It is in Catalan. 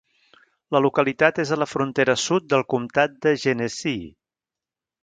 La localitat és a la frontera sud del comtat de Genesee.